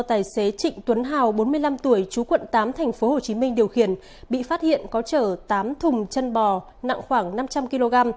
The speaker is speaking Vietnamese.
tài xế trịnh tuấn hào bốn mươi năm tuổi chú quận tám tp hcm điều khiển bị phát hiện có chở tám thùng chân bò nặng khoảng năm trăm linh kg